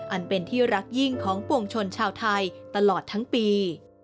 อันเป็นที่รักยิ่งของปวงชนชาวไทยตลอดทั้งปี